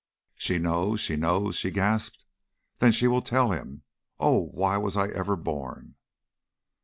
"She knows? She knows?" she gasped. "Then she will tell him. Oh! Why was I ever born?"